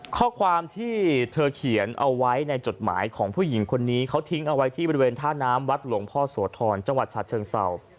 ข้อความที่เธอเขียนเอาไว้ในจดหมายของผู้หญิงคนนี้เขาทิ้งเอาไว้ที่บริเวณท่าน้ำวัดหลวงพ่อโสธรจังหวัดฉะเชิงเศร้า